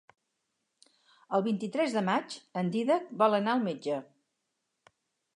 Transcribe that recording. El vint-i-tres de maig en Dídac vol anar al metge.